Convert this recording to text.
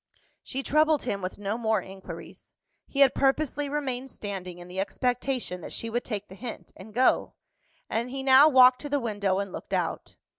She troubled him with no more inquiries. He had purposely remained standing, in the expectation that she would take the hint, and go; and he now walked to the window, and looked out.